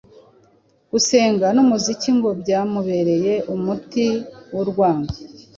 gusenga n'umuziki ngo byamubereye umuti w'urwango